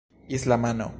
islamano